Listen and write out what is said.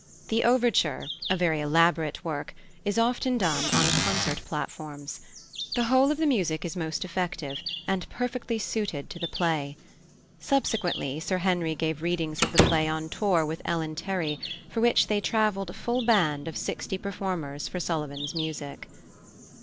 The overture, a very elaborate work, is often done on concert platforms. The whole of the music is most effective, and perfectly suited to the play. Subsequently, Sir Henry gave readings of the play on tour with Ellen Terry, for which they travelled a full band of sixty performers for Sullivan's music.